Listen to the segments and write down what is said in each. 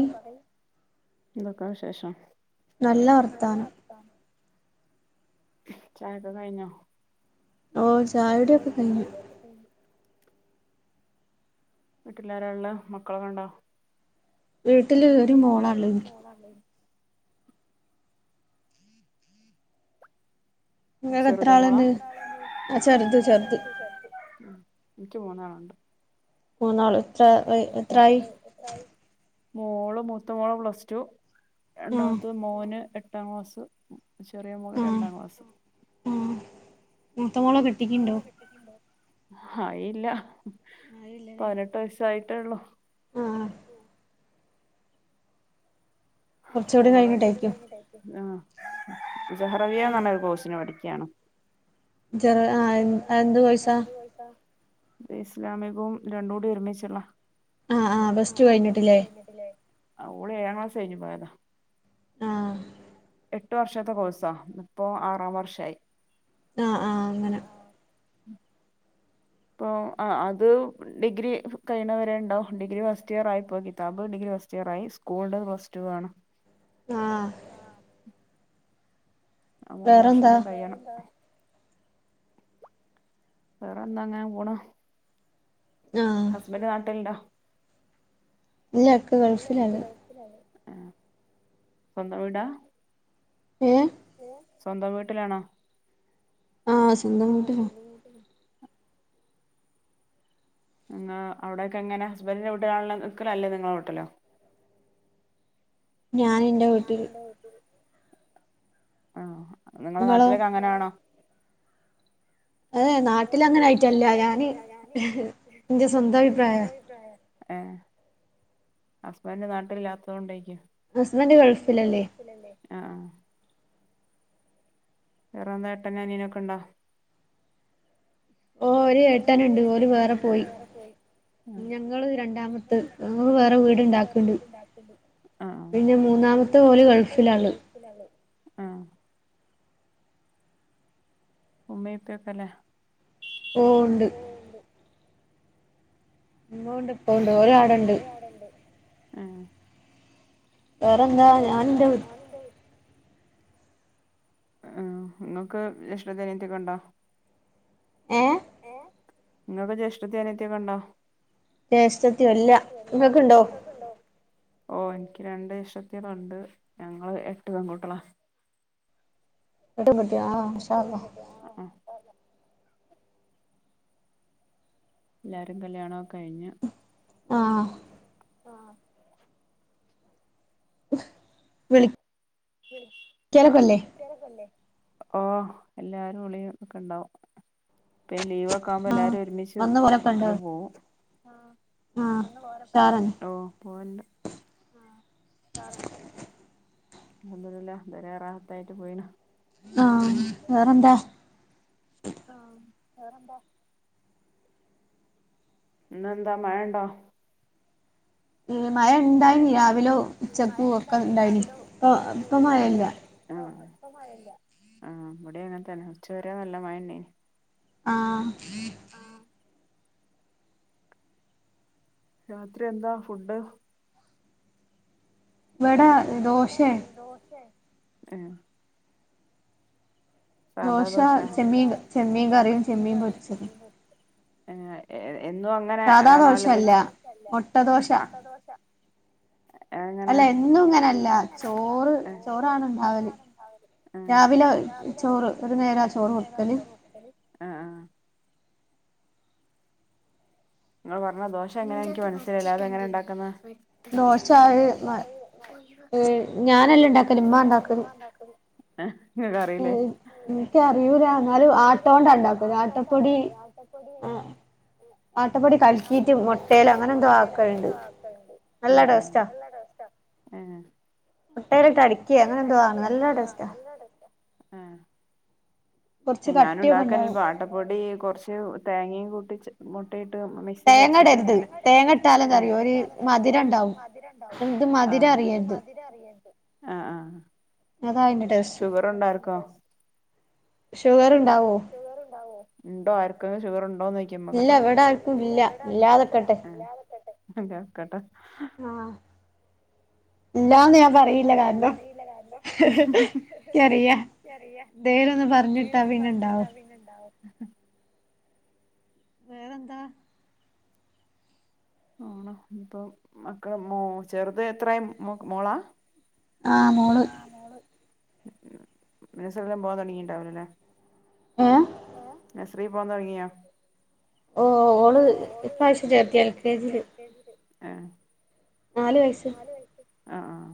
ആഹ് പറയ് എന്തൊക്കെ വിശേഷം നല്ല വർ ചായൊക്കെ കായിഞ്ഞോ? ഓ ചായൊടിക്കെ കഴിഞ്ഞു. ഉം വീട്ടിലാരള്ളേ മക്കളൊക്കെണ്ടോ? വീട്ടിൽ ഒര് മോളാള്ളെ എനിക്ക്. [unintelligible] ചെറുത് മോളാ എനിക്ക് മൂന്നാളുണ്ട്. മൂന്നാള് എത്ര യി എത്രായി? മോള് മൂത്ത മോള് പ്ലസ് ടു രണ്ടാമത്ത മോന് എട്ട് എട്ടാം ക്ലാസ് ചെറിയ മോള് രണ്ടാം ക്ലാസ്. മൂത്തമോളേ കെട്ടിക്ക്ണ്ടോ? ആയില്ല പതിനെട്ട് വയസായിട്ടേള്ളൂ. ഓള് ആഹ് ജഹറവിയന്നറഞ്ഞ ഒരു കോഴ്സിന് പഠിക്കാണ് ചെർആ ആഹ് എന്ത് എന്ത് കോഴ്സാ ഇസ്ലാമികും രണ്ടുടി ഒരുമിച്ചിള്ള ആഹ് ആഹ് ബെസ്റ്റു കഴിഞ്ഞിട്ടി ലേ ട്ട് ലേ ആഹ് ഓള് ഏഴാ ക്ലാസഴിഞ്ഞു പോയതാ ആഹ് എട്ടു വർഷത്തെ കോഴ്സാ ഇപ്പോ ആറാ വർഷായി ആഹ് ആഹ് അങ്ങനെ ഇപ്പോ അഹ് അത് ഡിഗ്രി കഴിഞ്ഞണവരെ ഇണ്ടാവ് ഡിഗ്രി ഫസ്റ്റ് ഇയർ ആയിപ്പോ കിതാബ് ഡിഗ്രി ഫസ്റ്റ് സ്റ്റിയരായി സ്കൂളിന്റെ പ്ലസ് ടു ആണ് ആഹ് ആഹ് മൂന്ന് വർഷം കൂടിയും കഴിയണം വേറെന്താ ങ്ങനെ പോണ് ഹസ്ബൻഡ് നാട്ടില്ണ്ടോ ഇല്ല ഇപ്പൊ ഗൾഫിലാണ് ആഹ് സ്വന്തം വീടാ ഏഹ് സ്വന്തം വീട്ടിലാണോ ഇങ്ങാ അവിടയക്കെങ്ങനെ ഹസ്ബൻ്റെ വീട്ട്ലാണ നിക്കലല്ലേ അല്ലെ ഇങ്ങളെ വീട്ട്ലോ ഞാൻ ഇന്റെ വീട്ടില് ആഹ് നിങ്ങളെ നാട്ടിലൊക്കെ അങ്ങനേണോ അത് നാട്ടില് അങ്ങനെ ആയിട്ടല്ല ഞാന് ഇന്റെ സ്വന്തം അഭിപ്രായ ഏഹ് ഹസ്ബന്റ് നാട്ടില്ലാത്തഹ് കൊണ്ടയിക്കും ഹസ്ബന്റ് ഗൾഫിലല്ലേ അഹ് ആഹ് വേറെന്താ ഏട്ടനനിയനൊക്കെണ്ടോ ഓഹ് ഒരു എട്ടന്ണ്ട് ഓല് വേറെ പോയി ഞങ്ങള് രണ്ടാമത്തെ ങ്ങൾ വേറെ വീട്ണ്ടാക്കണ്ട് ആക്ണ്ട് പിന്നെ മൂന്നാമത്തെ ഓല് ഗൾഫിലാള്ളഹ് ആഹ് ഉമ്മീ ഉപ്പീയൊക്കെല്ലേ ഓഹ് ഇണ്ട് മ്മോണ്ട് ഏഹ് വേറെന്താ ഞാൻ ഇന്റ വീട്ട് ഉം ഇങ്ങക്ക് ജേഷ്ടത്തി അനിയത്തി ഒക്കെണ്ടോ ഏഹ് ഇങ്ങക്ക് ജ്യേഷ്ഠത്തി അനിയത്തിയൊക്കെണ്ടോ ജേഷ്ടത്തിയോ? ഇല്ല ഇങ്ങക്ക്ണ്ടോ? ഓ എനിക്ക് രണ്ട് ജേഷ്ടത്ത്യാളുണ്ട് ഞങ്ങളെട്ട് പെൺകൂട്ടിയളാ എട്ട് പെങ്കുട്ടിയളോ? ആ മാശഅള്ളാഹ് എല്ലാരും കല്യാണൊ കഴിഞ്ഞ് ആഹ് ആഹ് വിളി [unintelligible] റ്റ്കാരക്കല്ലേ ഓ എല്ലാരും ഒളിയൊക്കെണ്ടാവും ഇപ്പയിന് ലീവൊക്കെ ക്കാവുമ്പോ എല്ലാരും ഒരുമിച്ച് വീട്ടില് പോവും ആ വന്ന് പോകലക്കണ്ടോ? ഓ പോവല്ണ്ട് ആ ഉഷാറാണ് അൽഹംദുലില്ലാഹ് ഇതരെ റാഹത്തായിട്ട് പോയിണ് ആഹ് വേറെന്താ? ആ വേറെന്താ? ഇന്നെന്താ മഴണ്ടോ? ഏഹേ മഴെണ്ടായീനി രാവിലെ, ഉച്ചക്ക് ഒക്കെണ്ടായിന് ഇപ്പ ഇപ്പൊ മഴല്ല ആഹ് ആഹ് ഇവടിയങ്ങനെത്തന്നെ ഉച്ച വരെ നല്ല മഴെന്നേനി ആഹ് രാത്രിയെന്താ ഫുഡ്? ഇവടെ ഇബടെ ദോശേണ് സാധാ ദോശേ? ദോശ, ചെമ്മീന്, ചെമ്മീൻ കറിയും ചെമ്മീൻ പൊരിച്ചത് ഏഹേ എന്നും അങ്ങനെ ആണോ? അല്ലെങ്കി ച്ച് സാധാ ദോശയല്ല മുട്ട ദോശ അല്ല എന്നും ഇങ്ങനല്ല ചോറ് ചോറാണ് ണ്ടാവല് രാവിലെ ചോറ് ഒരു നേരാ ചോറ് വെക്കല്? ആഹ് ആഹ് ഇങ്ങള് പറഞ്ഞ ദോശയെങ്ങനെ എനിക്ക് മനസ്സിലായില്ല അതെങ്ങനെണ്ടാക്കുന്നേ? ദോഷ അഹ് ഞാനല്ലെണ്ടാക്കല് ഇമ്മാണ്ടാക്കല് ഹ് ഹ് ങ്ങക്കറില്ലേ [unintelligible] ആട്ടോണ്ടാണ്ടക്കല് പൊടി ഏ ആട്ടപ്പൊടി കല്ക്കീട്ട് മുട്ടേലോ അങ്ങനെന്തോ ആക്കല്ണ്ട് നല്ല ടേസ്റ്റാ ഏഹേ മുട്ടേലിട്ട് അടിക്യേ അങ്ങനെന്തോ ആണ് നല്ല ടേസ്റ്റാ ഏഹ് എഹ് ഞാനുണ്ടാക്കാല്ണ്ട് ആട്ടപ്പൊടി, കൊറച്ച് തേങ്ങയും കൂട്ടിച്ച് മുട്ടയിട്ട് മി മിക്‌സിലടിച്ചിട്ട് അങ്ങനെ തേങ്ങടര്ത് തേങ്ങട്ടാലെന്താറിയോ ഒരു മധുരണ്ടാകും ആ ഇൻക്ക് മധുര മധ് രറിയര്ത് അതാ അയിൻ്റെ ടേസ്റ്റ് ഷുഗർണ്ടായിര്ക്കോ ഷുഗറ്ണ്ടാവോ? ഇണ്ടോ? ആർക്കേലും ഷുഗറ്ണ്ടോ ചോയ്ക്കാ ക്കിമ്മക്കട്ടോ ഇല്ല ഇവിടാർക്കുല്ല ഇല്ലാതക്കട്ടെ ഇല്ലാക്കട്ടെ ആഹ് ഇല്ലാന്ന് ഞാൻ പറീല കാരണം ഇക്കറിയാ ഇന്തേലൊന്ന് പറഞ്ഞിട്ടാ പിന്നെണ്ടാവും [inaudible] വേറെന്താ? പോണം ഇഞ്ഞിപ്പോ മക്കള മോ ചെറ്തെത്രായി മോളാ? ആഹ് മോ- [unintelligible] മസല്ലാം പോവാൻ തുടങ്ങിണ്ടാവലല്ലേ ഏഹ് നഴ്സ്രീ പോവാൻ തുടങ്ങിയോ ഓഹ് ഓള് ഇപ്രാവശ്യം ചേർത്ത് എൽ കെ ജിൽ ആഹ് നാല് വയസ്സ് ആഹ് ആഹ്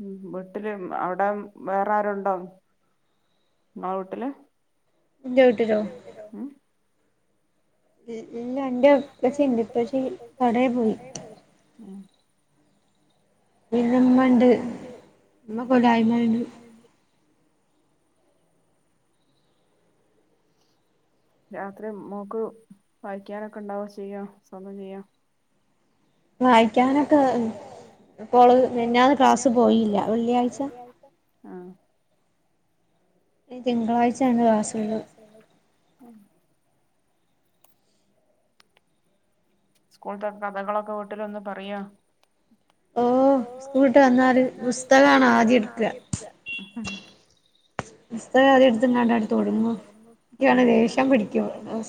ഉം വിട്ട്ല് അവിടെ വേറെ ആരോണ്ടോ നിങ്ങള് വീട്ടില് ഇൻ്റെ വിട്ടില്ലോ [unintelligible] ഇല്ല ന്റെ പ്പച്ചിണ്ട് ഇപ്പച്ചി കടേ പോയി ഉം പിന്നുമ്മ ഉണ്ട് അമ്മ കൊടായ്മ ഉണ്ട് രാത്രി മോക്ക് വായിക്കാനൊക്കെ ഉണ്ടാവോ ചെയ്യാൻ സ്വന്തം ചെയ്യുക വായിക്കാനൊക്കെ ഇപ്പോള് മിനിങ്ങാന്ന് ക്ലാസ്സ് പോയില്ല വെള്ളിയാഴ്ച ഇനി തിങ്കളാഴ്ചാണ് ക്ലാസ്സുള്ളത് ആഹ സ്കൂളത്തെ കഥകളൊക്കെ വീട്ടിലൊന്നന്ന് പറയാ ഓഹ സ്കൂളിട്ട് വന്നാ ഒരു പുസ്തകണോ ആദ്യം എടുക്കുക [unintelligible] അഹ അത് ഇത് നല്ലടി തോന്നുന്നണ് വേഷം പിടിക്ക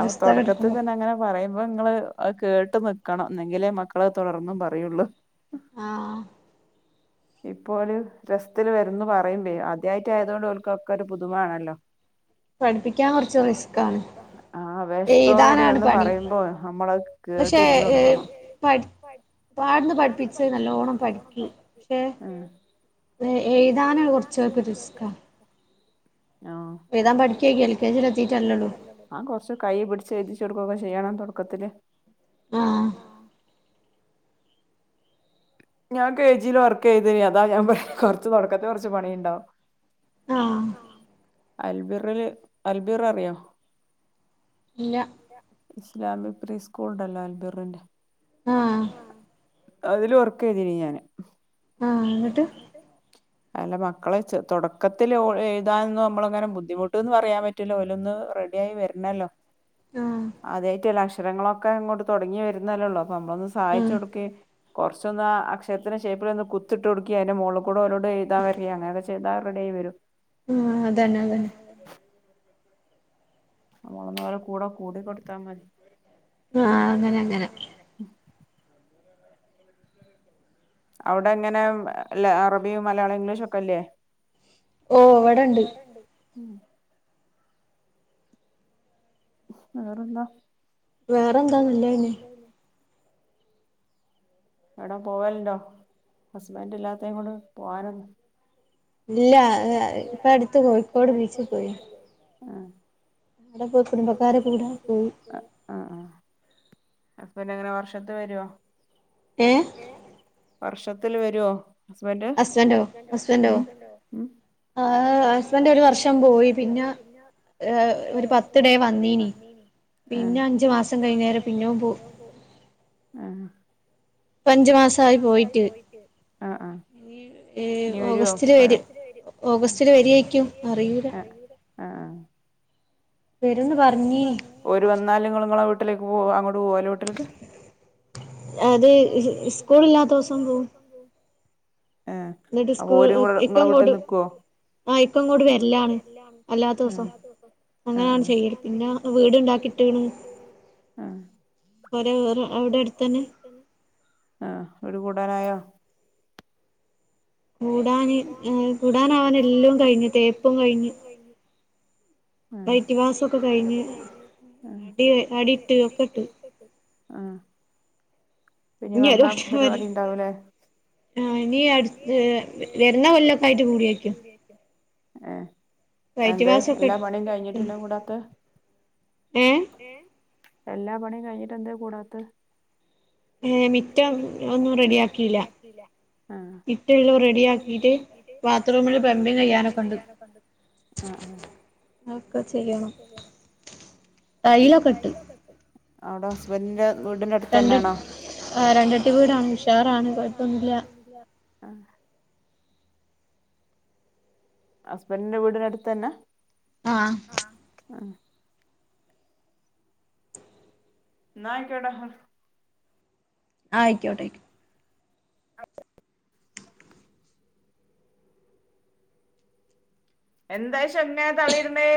അപ്പൊ തുടക്കത്തിൽ തന്നെ അങ്ങനെ പറയുമ്പോ നിങ്ങള് അത് കേട്ട് നിക്കണം എന്നെങ്കിലേ മക്കളെ തുടർന്നും പറയുള്ളൂ ആഹ ആഹ ഇപ്പോല രസത്തില്ൽ വരന്ന് പറയുമ്പേ ആദ്യായിട്ട ആയത് കൊണ്ട്ഓക്കൊക്കെ ഒരു പുതുമമാണല്ലോ [inaudible] പഠിപ്പിക്കാൻ കുറച്ച് റിസ്‌ക് ആണ് ആവേഷത്തോട കൂടി വന്ന് പറയുമ്പോ നമ്മള് കേട്ട് ഇരുന്ന് കൊടുക്കണോ പഠി പാടന്ന് പഠിപ്പിച്ച് നല്ലോണം പഠിക്കൂ ആഹ പിന്നെ എഴുതാന് കുറച്ച് പർക്ക് റിസ്കാ ഒഹ [unintelligible] ആ കുറച്ച് കൈ പിടിച്ച് എഴുതി കൊടുക്കുകൊക്കെ ചെയ്യണം തുടക്കത്തില് ആഹ ഞാൻ കെ ജിയിൽ വർക്ക് ചെയ്തെ അതാ ഞാൻ കുറച്ച് തുടക്കത്തി കുറച്ച് പണിയുണ്ടാവും ആഹ അൽബിറില് അൽബിർ അറിയോ ഇല്ല ഇല്ല ഇസ്ലാമിക് പ്രീ സ്കൂൾ ഉണ്ടല്ലോ അൽബിറിന്റെ ആഹ അതില് വർക്ക് ചെയ്തിന് ഞാന് ആഹ അല്ല മക്കളെ തുടക്കത്തിൽ എഴുതാന് നമ്മള് അങ്ങനെ ബുദ്ധിമുട്ട്ന്ന് പറയാൻ പറ്റും റ്റില്ലോ ലൊന്ന് റെഡിയായി വരണല്ലോ ആദ്യായിട്ട് അക്ഷരങ്ങളൊക്കെ അങ്ങോട്ട് തുടങ്ങി വരുന്നല്ലേള്ളോ അപ്പൊ നമ്മളൊന്ന് സഹായിച്ചു കൊടുക്ക് പക്ഷൊന്ന് ആ അക്ഷരത്തിൻ്റെ ഷേപ്പിൽ ഒന്ന് കുത്തിട്ട് കൊടുക്കുക അതി മളൂട അവരോട് എഴുതൻ വരുക അങ്ങനക്കെ ചെയ്താരുടെയും വരും ആഹ അത് തന്നെ അതന്നെ നമ്മളന്ന പോലെ കൂടെ കൂടി കൊടുത്താൽ മതി ആഹ അങ്ങനെ അങ്ങനെ ഉം അവിടെ എങ്ങനെല്ല അറബിയും മലയാളവും ഇംഗ്ലീഷ ഒക്കെ അല്ലേ ഓഹ ഇവിടെണ്ട് വേറെന്താ വേറെ എന്താ നല്ലന്നെ എവിടേം പോവലല്ലോ ഹസ്ബൻഡ ഇല്ലാത്തെയും കൊണ്ട് പോവാനൊന്ന ഇല്ല ഇപ്പ അടുത്ത് കോഴിക്കോട് ബീച്ചിൽ പോയി ആഹ് നമ്മടെ പോ കുടുംബക്കാര കൂടൊ പോയി ആഹ ആഹ അപ്പോ പിന്ന എങ്ങനെ വർഷത്ത് വരുവോ ഏഹ വർഷത്തിൽ വരുവോ ഹസ്ബൻഡ് ആ ഹസ്ബൻഡറ് ഒരു വർഷം പോയി പിന്നെ ഒരു പത്തു പത്ത് ഡേ വന്നീ പിന്നെ അഞ്ചു മാസം കൈന്നേരം പിന്നെ പോ ആഹ അഞ്ചു മാസായി പോയിട്ട് ആഹ ആഹ നി വര്വോ പ്പഴാ ഓഗസ്റ്റിൽ വരും ഓഗസ്റ്റില് വര്വായ്രിക്കും അ അറീല അഹ് ആഹ്. വരുന്ന് പർഞ്ഞ് ഒരു വന്നാലും ങ്ങള് ങ്ങളെ വീട്ടിലേക്ക് പോ അങ്ങോട്ട് പോവാലോ വീട്ടിൽക്ക്. അത് ശ് സ്കൂളില്ലാത്തൊവസം പോവും. ന്നട്ട് സ്കൂ ഇപ്പങ്ങോട്ട്. ആഹ് ഇക്കങ്ങോട് വര്ലാണ് അല്ലാത്തോസം. ആഹ് ആഹ് അങ്ങനഞാ ചെയ്യല് പിന്നെ വീട്ണ്ടാക്കിട്ട്ണ് ആഹ്. ഒരേ വേറ അവിടെ അട്ത്തന്നെ. ആഹ് വിട് കൂടാനായോ. കൂടാന് അ് കൂടാനാവാൻ എല്ലു കയ്ഞ്ഞ് തേപ്പും കയ്ഞ്ഞ് ആഹ് എയ്റ്റ് മാസൊക്കെ കഴിഞ് ആഹ് ടി അടിട്ട് ഒക്കട്ട്. ആഹ് പഞ്ഞ് വന്നാ പരിപാടിണ്ടാവുലേ. ആഹ് ഇനി അട് ഏഹ് വെ വെര്ണ കൊല്ലൊക്കായിട്ട് കൂടിയക്കോ. ഏഹ്. അഎന്തെ എല്ലാ പണിയും കഴിഞ്ഞിട്ട് പിന്നെ കൂടാത്തെ ഏഹ്. എല്ലാ പണിം കഴിഞ്ഞിട്ടെന്തെ കൂടാത്ത. ഏഹ് മിറ്റം ഒന്നും റെഡി ആക്കില മി മിറ്റെല്ലു റെഡി ആക്കിട്ട് ബാത്റൂമില് ബെർമി ചെയ്യനൊക്കണ്ട് ആഹ് ആഹ്. അ ഒക്കെ ചെയ്യണം ടൈലൊക്കെട്ട് അവിടെ ഹസ്ബൻഡിന്റെ വീട് തന്നെണോ രണ്ട ആഹ് രണ്ടട്ടി വീടാണ് ഉഷാറാണ് കൊയ്പ്പൊന്നൂല്ല ആഹ്. ഹസ്ബൻഡിന്റെ വീടിനടുത്തന്നെ. ആഹ്. ആഹ് ആഹ്. ന്നാ ആയിക്കോട്ടെ ഹ. ആയിക്ക്യോട്ടെ ആയ് അ. എന്തയി ഷംന തളിയിടണേ.